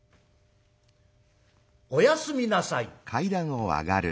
おやすみなさい」。